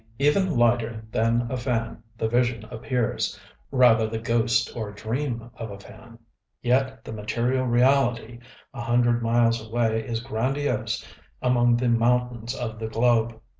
Even lighter than a fan the vision appears, rather the ghost or dream of a fan; yet the material reality a hundred miles away is grandiose among the mountains of the globe.